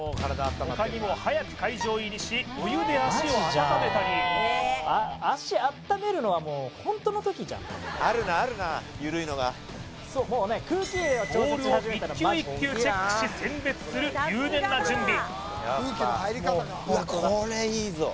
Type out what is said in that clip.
他にも早く会場入りしお湯で足を温めたりボールを１球１球チェックし選別する入念な準備